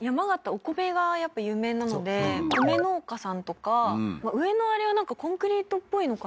お米がやっぱ有名なので米農家さんとか上のあれはなんかコンクリートっぽいのかな？